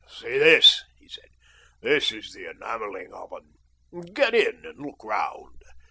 "See this," he said; "this is the enamelling oven. Get in and look round.